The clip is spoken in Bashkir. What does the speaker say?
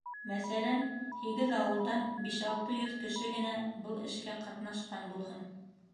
Мәҫәлән, һигеҙ ауылдан биш-алты йөҙ кеше генә был эшкә ҡатнашҡан булһын.